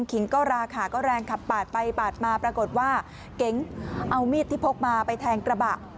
ขิงก็ราคาก็แรงขับปาดไปปาดมาปรากฏว่าเก๋งเอามีดที่พกมาไปแทงกระบะ